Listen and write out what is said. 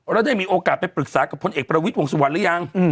แล้วได้มีโอกาสไปปรึกษากับพลเอกประวิทย์วงสุวรรณหรือยัง